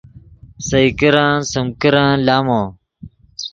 سئے کرن سیم کرن لامو